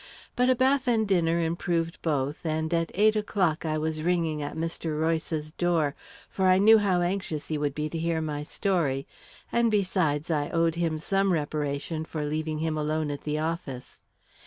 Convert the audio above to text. But a bath and dinner improved both, and at eight o'clock I was ringing at Mr. Royce's door, for I knew how anxious he would be to hear my story, and besides, I owed him some reparation for leaving him alone at the office.